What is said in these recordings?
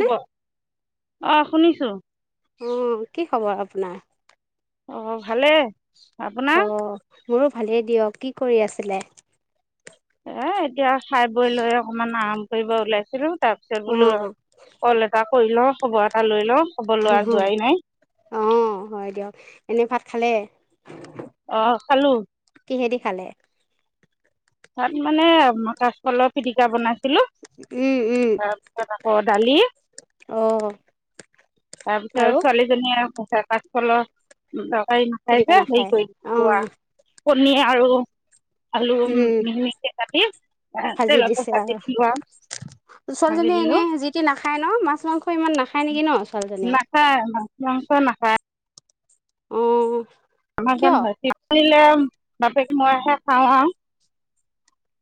নে অ', শুনিছোঁ। উম, কি খবৰ আপোনাৰ? অ', ভালেই। অ আপোনাৰ? মোৰো ভালেই দিয়ক। কি কৰি আছিলে? এ এতিয়া খাই বৈ লৈ অকমাণ আৰাম কৰিব ওলাইছিলোঁ, তাৰ পিছত অ বোলোঁ কল এটা কৰি লওঁ, খবৰ এটা লৈ লওঁ। খবৰ লোৱা হুম, হুম। যোৱাই নাই অ', হয় দিয়ক। এনে ভাত খালে? অ', খালোঁ। কিহে দি খালে? ভাত মানে কাচকলৰ পিটিকা বনাই ছিলোঁ। উম উম তাৰপিছত আকৌ দালি অ তাৰপিছত আৰু ছোৱালীজনীয়ে [unintelligible] কলৰ তাই পিটিকা খাইছে হেৰি নাখায় কৰি অ খোৱা কণী আৰু আলু উম মিহি-মিহিকে কাটি এ ভাজি তেলতে দিছে আৰু ভাঁজি দিলোঁ আৰু। ভাজি ছোৱালীজনীয়ে দিলো এনে যি তি নাখায় ন, মাছ মাংস ইমান নাখায় নেকি ন ছোৱালীজনী? নাখায়, মাছ-মাংস নাখায়। অ'। আমাৰজান কিয় ভাইটীক পৰিলে বাপেক মইহে খাওঁ আৰু।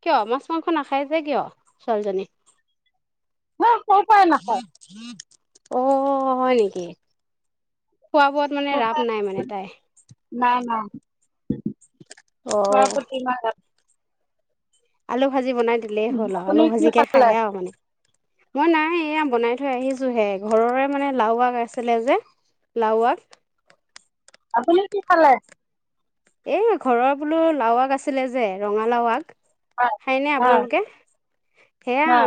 কিয়, মাছ-মাংস নাখায় যে কিয় ছোৱালীজনী? ন সৰু পৰাই নাখায় অ', হয় নেকি? খোৱা-বোৱাত মানে সৰু ৰাপ পৰাই নাই মানে তাই। নাই, নাই। অ খোৱাৰ প্ৰতি ইমান ৰাপ আলু ভাজি বনাই দিলেই হ'ল আৰু আপুনি আলু কি ভাজিকে খালে খায়ে আৰু মানে। মই নাই এয়া বনাই থৈ আহিছোঁহে, ঘৰৰে মানে লাও আগ আছিলে যে। লাও আগ আপুনি কি খালে? এই ঘৰৰ বোলোঁ লাও আগ আছিলে যে ৰঙালাও আগ। হয় খায় নে হয় আপোনালোকে? সেয়া হয়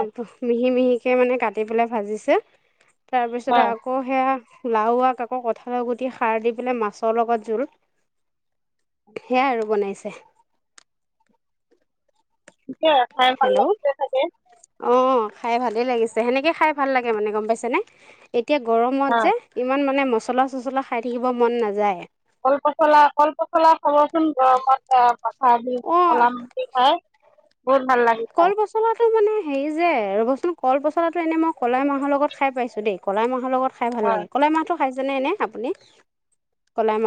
মিহি-মিহিকে মানে কাটি পেলাই ভাজিছে। তাৰপিছতে হয় আ অ' সেয়া লাও আগ আকৌ কঁঠালৰ গুটি সাৰ দি পেলাই মাছৰ লগত জোল। সেয়াই আৰু বনাইছে। এতিয়া খাই ভাল লাগিছে চাগে? অ', খাই ভালেই লাগিছে, সেনেকে খাই ভাল লাগে মানে, গম পাইছে নে? এতিয়া গৰমত হয় যে, ইমান মানে মছলা, চছলা খাই থাকিব মন নাযায়। কল পচলা, কল পচলা খাবচোন গৰমত এ, আচাৰ দি অঁ বনাম। কি খাই? বহুত ভাল লাগে। কল পচলাটো মানে হেৰি যে ৰবচোন, কল পচলাটো এনে মই কলাই মাহৰ লগত খাই পাইছো দেই। কলাই মাহৰ লগত খাই ভাল হয় লাগে, কলাই মাহটো খাইছেনে এনে আপুনি?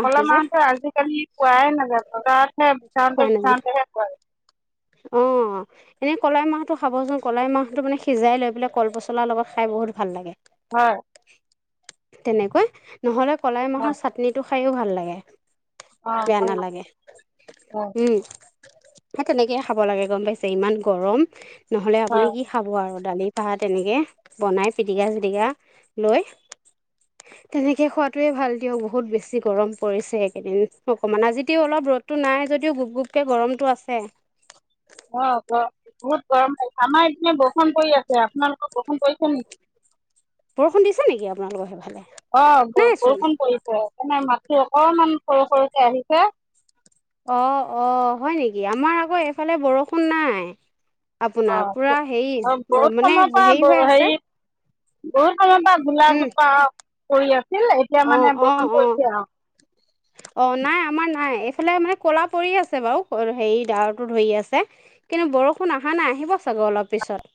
কলাই মাহটো আজিকালি পোৱাই নাযায়, বজাৰতহে বিচাওঁতে, বিচাৰওঁতেহে পোৱা যায়। অ'। এনেই কলাই মাহটো খাবচোন, কলাই মাহটো মানে সিজাই লৈ পেলাই কল পচলাৰ লগত খাই বহুত ভাল লাগে। হয়। তেনেকৈ, নহ'লে কলাই মাহৰ হয় চাটনিটো খায়ো ভাল লাগে। অ বেয়া ভাল নালাগে, হয় উম, সেই তেনেকে খাব লাগে গম পাইছে, ইমান গৰম, নহ'লে হয় আপুনি কি খাব আৰু, দালি, ভাত তেনেকে বনাই পিটিকা, চিটিকা লৈ [inaudible] তেনেকেই খোৱাতোৱে ভাল দিয়ক, বহুত বেছি গৰম পৰিছে, একেদিন অকমান আজিতেও অলপ ৰ'দ টো নাই যদিও গুপ, গুপকে গৰমটো আছে। অ', ক? বহুত গৰম পাইছে, আমাৰ এপিনে বৰষূণ পৰি আছে, আপোনালোকৰ বৰষূণ পৰিছে নেকি? বৰষুণ দিছে নেকি আপোনালোকৰ সেইফালে অ', নাইচোন বৰষুণ পৰি পৰে মানে, মাতটো অকনমান সৰু, সৰুকে আহিছে। অ', অ', হয় নেকি? আমাৰ আকৌ এইফালে বৰষুণ নাই। অ আপোনাৰ, পুৰা ব- হেৰি, অ বহুত মানে সময়ৰ পৰা হেৰি ব- হৈ আছে। বহুত সময় পৰা গোলা, উম জোপা পৰি আছে। অ', অ', অ- অহ'। [inaudible] অ', নাই, আমাৰ নাই, এইফালে মানে ক'লা পৰি আছে বাৰু, হেৰি ডাৱৰটো ধৰি আছে। কিন্তু বৰষুণ অহা নাই, আহিব চাগৈ অলপ পিছত,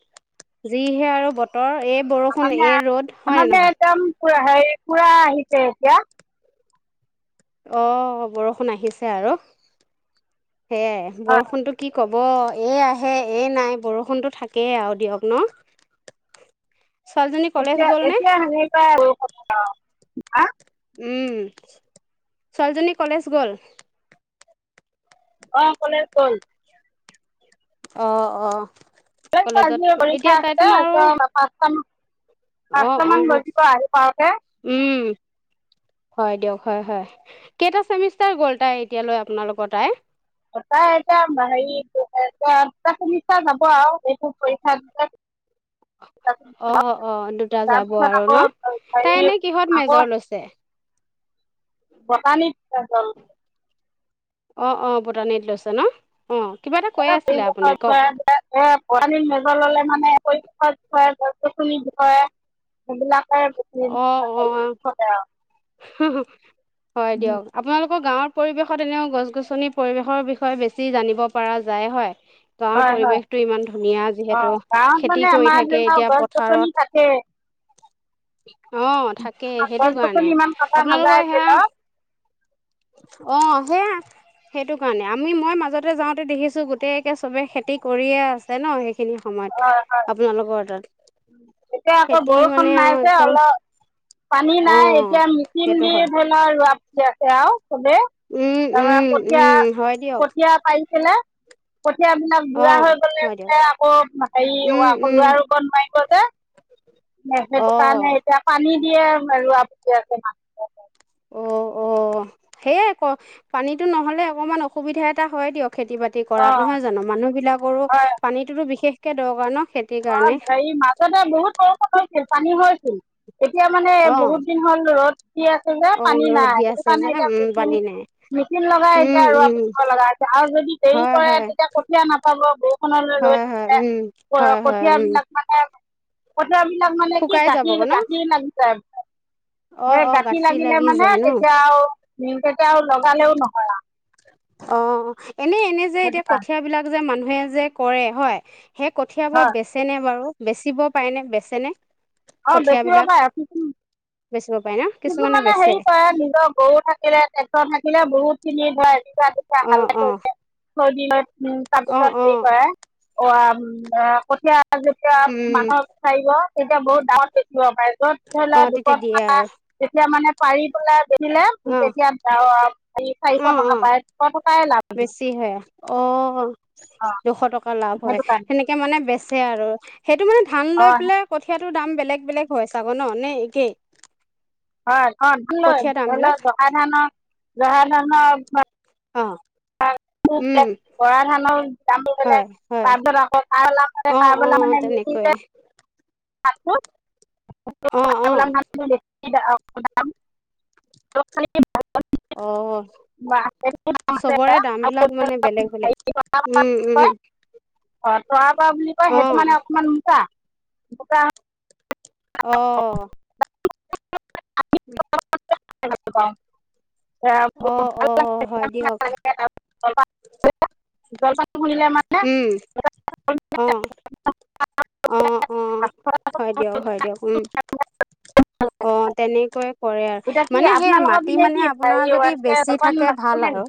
যিহে আৰু বতৰ, এই বৰষুণ এই ৰ'দ আমাৰ হয়নে যে নহয়? একদম পুৰা হেৰি পোৰা আহিছে এতিয়া। অ', হব বৰষুণ আহিছে আৰু, সেয়াই অ বৰষুণতটো কি ক'ব ব' এই আহে, এই নাই, বৰষুণটো থাকেই আৰু দিয়ক ন'? ছোৱালীজনী কলেজ এতিয়া, গ'ল নে এতিয়া, [unintelligible] হা? উম, ছোৱালীজনী কলেজ গ'ল? অ', কলেজ গল। অ', অ', কলেজ আজি কলেজত পৰীক্ষা এতিয়া তাই আছে তেনে আৰু [unintelligible] অ', পাঁচটামান অহ', গৈছোঁ বাজিব আহি পাওঁতে উম। হয় দিয়ক, হয়, হয়, কেইটা চেমিষ্টাৰ গ'ল তাই, এতিয়ালৈ আপোনালোকৰ তাই? তই এতিয়া হেৰি দুটা ছেমিষ্টাৰ যাব আৰু, এইটো পৰীক্ষা দিলে। অ অ দুটা [inaudible] যাব তাৰপিছত আৰু ন আকৌ, তাই হৰি এনে কিহত আকৌ মেজৰ লৈছে বতানিক ফেশ্বন। অঁ অঁ, বুটানীত লৈছে ন। অঁ কিবা এটা [inaudible] [inaudible] কৈ আছিলে আপুনি কওক সেইবিলাকে বেছি অ হেৰী থাকে আও। হয় দিয়ক। আপোনালোকৰ গাঁৱৰ পৰিৱেশত এনেও গছ গছনিৰ পৰিৱেশৰ বিষয়ে বেছি জানিব পৰা যায় হয়। গাঁৱৰ হয় হয় পৰিৱেশতটো ইমান ধুনীয়া অ যিহেতু, গাঁৱত খেতি মানে কৰি আমাৰ ধৰি থাকে লওক এতিয়া গছ গছনি পথাৰত। থাকে অঁ, থাকে সেইটো গছ কাৰণে। আপোনালোকৰ [unintelligible] অঁ, সেয়াই। সেইটো কাৰণে, আমি মই মাজতে যাওঁতে দেখিছোঁ গোটেইকে চবে খেতি কৰিয়ে আছে ন সেই খিনিসময়ত হয় হয় আপোনালোকৰ তাত। এতিয়া আকৌ খেতি বৰষুণ মানে নাই আও যে একদম অলপ অঁ। সেইটো হয়। [inaudible] এ কঠীয়া উম উম উম হয় দিয়ক কঠীয়া পাৰিচিলে কঠিয়াবিলাক অ বুঢ়া হৈ গলে হয় যে দিয়ক আকৌ হেৰি উম আকৌ উম ৰোৱা ৰুব নোৱাৰিম। ক যে সেইটো অ কাৰণে এতিয়া পানী দিয়ে ৰোৱা পীয়াকে মা। অ', [unintelligible] অ, সেয়ে ক পানীতটো নহ'লে অকমান অসুবিধা এটা হয় দিয়ক খেতি বা তি কৰা অ নহয় জানো মানুহ বিলাকৰো হয় পানীতোতো বিশেষকে দৰকাৰ ন খে অঁ, হেৰি মাজতে বহুত বৰষূণ হৈছিল পানী হৈছিল। এতিয়া মানে অ', বহুত দিন হ'ল ৰদ কি আছে যে অ', পানী ৰ'দ নাই, দি সেইটো আছে কাৰণে যে এতিয়া উম, পানী গুখিনি নাই মেচিন লগাই উম, এতিয়া উম, ৰুৱাটো লগাই আছে, আৰু যদি দেৰি হয়, কৰে হয়, তেতিয়া কঠীয়া নাপাব ব হয়, হয়, উম, হয়, হয়, উম, [inaudible] কঠীয়া বিলাক মানে কি শুকাই গাঁঠিৰ যাবগৈ ন গাঁঠিৰ লাগি যায়। হে অ', অ', গাঁঠি লাগিলে লাগি মানে যায় ন তেতিয়া আৰু নিমকতে আৰু লগালেও নহয় আও। অঁ, এনেই এনে যে সেইটো এতিয়া কাৰণে কঠিয় বিলাক যে মানুহে যে কৰে হয়। সেই কঠিয়াপা হয় বেচনে বাৰু বেচিব পায়নে বেচনে? অঁ বেচিব পাৰে কিন্তু বেচিব পাৰে ন। কিছুমানে হেৰি কৰে নিজৰ গৰু থাকিলে [inaudible] অ', অ', তাৰপিছত অ', হেৰি অ', কৰে, অঁ উম এ কঠীয়া যেতিয়া উম, মানুহৰ চাৰিব তেতিয়া বহুত দামত বেছিব পাৰে যত ধৰি লোৱা অ', তেতিয়া দুটকা দিয়ে আৰু তেতিয়া মানে পাৰি পেলাই বেছিলে অ', তেতিয়া চাৰিশ অ', টকা অ', পায়। দুশ টকাৰ লাভ। বেছি হে, অ অ দুশ টকা লাভ হয় সেইটো কাৰণে সেনেকে কে মানে বেচে আৰু সেইটো মানে ধান লৈ অ পেলাই কঠীয়াটোৰ দাম বেলেগ বেলেগ হয় চাগ ন, নে একেই? হয় ক ধ ল কঠীয়া ধৰি দামবিলাক লও জহা ধানৰ জহা ধানৰ অঁ, উম। বেলেগ বৰা ধানৰ দাম বোৰ হয়, বেলেগ, হয়, তাপিছত আকৌ খ ওল মানে অ', খলে অ', মানে তেনেকৈ নিসিজে। সাপটো অ', অ', [unintelligible] [unintelligible] অ'। আছে চবৰে দাম আৰু বিলাক মানে বেলেগ বেলেগ, উম-উম। অ', তৰা পৰা বুলি কয় সেইটো মানে অকমান মোটা, মোটা অ'। [unintelligible] [unintelligible] অ'-অ' হয় দিয়ক। [unintelligible] শুনিলে মানে উম, অ'। অ'-অ', হয় দিয়ক, হয় দিয়ক, উম। অ', তেনেকৈয়ে কৰে আৰু, এতিয়া কি মানে সেইয়া আপোনালোকৰ মাটি পিনে কি মানে আপোনাৰ হেৰি যদি এনেকে বেছি জলপান থাকে ভাল নাছিলে নেকি আৰু।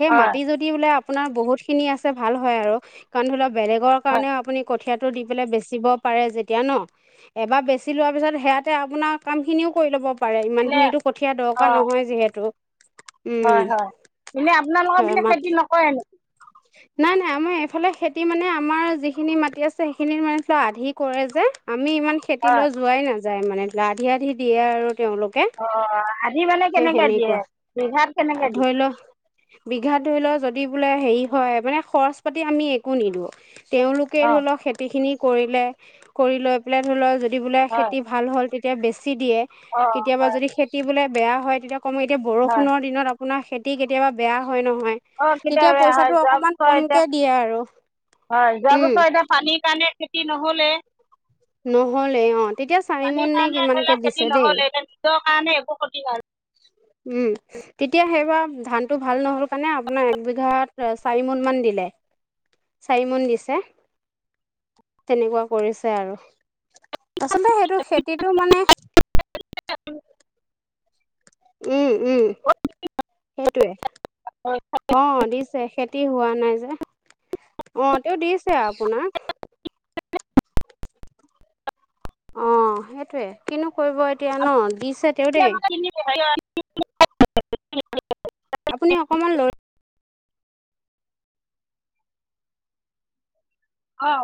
সেই হয় মাটি যদি বোলে আপোনাৰ বহুত খিনি আছে, ভাল হয় আৰু। কাৰণ ধৰি লওক, বেলেগৰ হয় কাৰণেও আপুনি কঠিয়টো দি পেলাই বেচিব পাৰে যেতিয়া ন, এবাৰ বে সিচি লোৱাৰ পিছত সেয়াতে আপোনাৰ কামখিনিও কৰি ল'ব পাৰ, এনে ইমানখিনীটো কঠীয়া দৰকাৰ নহয় যিহেতু। উম, হয়-হয়, এনেয় আপোনালোকৰ হয় পিনে মাত খেতি নকৰে নেকি? [unintelligible] নাই নাই, আমাৰ এইফালে খেতি মানে, আমাৰ যিখিনি মাটি আছে সেইখিনি মানে আধি কৰে যে, আমি ইমান হয় খেতিলৈ যোৱাই নাযায় মানে, আধি আধি দিয়ে আৰু তেওঁলোক কে, অঁ আধি মানে সেই কেনেকৈ দিয়ে সেনেকুৱা, বিঘাত কেনেকৈ দিয়ে ধৰি লও বিঘাত ধৰি ল যদি বোলে হেৰি হয়, মানে খৰচ পাতি আমি একো নিদিওঁ। তেওঁলোকে অঁ ধৰি লওক খেতিখিনি কৰিলে কৰিলে, কৰি লৈ পেলাই ধৰি লওক যদি বোলে হয় খেতি ভাল হ'ল, তে তেতিয়া বেছি দিয়ে, অঁ কেতিয়াবা হয় যদি খেতি বোলে বেয়া হয় তেতিয়া কম, এতিয়া হয় বৰষুণ দিনত আ আপোনাৰ খেতি কেতিয়াবা বেয়া হয় নহয়। অ', কেতিয়াবা তেতিয়া বেয়া হয়, পইচাটো যোৱা অকণমান বছৰ এতিয়া, কমকৈ দিয়ে আৰু হয়, যোৱা উম। বছৰ এতিয়া পানীৰ কাৰণে খেতি নহ'লে। নহ'লেই অ', তেতিয়া চাৰি পানীৰ মোন নে কাৰণে ধৰি লওক কিমানকে খেতি দিছে দেই। নহ'লে এতিয়া নিজৰ কাৰণে একো খতি হোৱা নাই। উম। তেতিয়া সেইবাৰ ধানটো ভাল নহ'ল কাৰণে আপোনাৰ একবিঘাত, চাৰি মোন মান দিলে। চাৰি মোন দিছে। তেনেকুৱা কৰিছে আৰু, আচলতে সেইটো খেতিটো মানে উম-উম, সেইটোৱে, অ', দিছে। ছে, খেতি হোৱা নাই যে, অ', তেওঁ দিছে আপোনাৰ। অ', সেইটোৱে, কিনো কৰিব এতিয়া ন, দিছে তেওঁ দেই [unintelligible] আপুনি অকমান লৈ অ'।